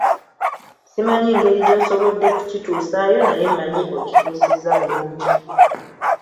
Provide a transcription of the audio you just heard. Simanyi ngeri gy'osoboddemu kukituusaayo naye mmanyi okituusizza bulungi.